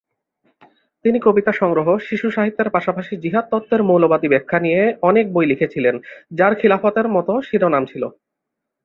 তিনি কবিতা সংগ্রহ, শিশু সাহিত্যের পাশাপাশি "জিহাদ তত্ত্বের মৌলবাদী ব্যাখ্যা" নিয়ে অনেক বই লিখেছিলেন, যার খিলাফতের মতো শিরোনাম ছিল।